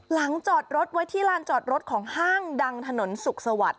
จอดรถไว้ที่ลานจอดรถของห้างดังถนนสุขสวัสดิ